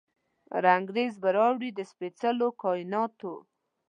رنګریز به راوړي، د سپیڅلو کائیناتو،